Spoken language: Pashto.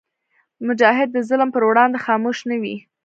مجاهد د ظلم پر وړاندې خاموش نه وي.